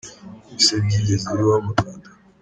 Ibi se byigeze bibaho mu Rwanda?